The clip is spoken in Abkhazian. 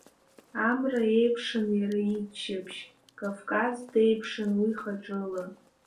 Амра еиԥшын иара иччаԥшь, Кавказ деиԥшын уи хаҿыла.